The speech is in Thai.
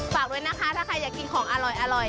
ฝากด้วยนะคะถ้าใครอยากกินของอร่อย